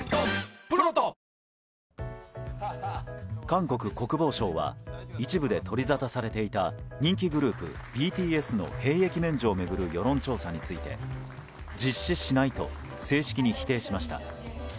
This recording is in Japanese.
韓国国防省は一部で取りざたされていた人気グループＢＴＳの兵役免除を巡る世論調査について実施しないと正式に否定しました。